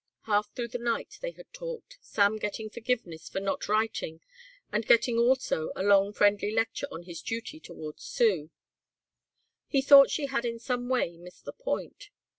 Half through the night they had talked, Sam getting forgiveness for not writing and getting also a long friendly lecture on his duty toward Sue. He thought she had in some way missed the point.